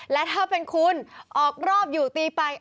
และถ้าเป็นคุณออกรอบอยู่ตีไป